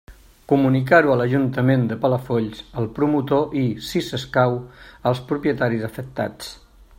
Comunicar-ho a l'Ajuntament de Palafolls, al promotor i, si escau, als propietaris afectats.